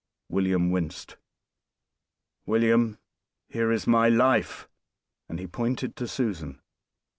William winced. "William! here is my life!" And he pointed to Susan.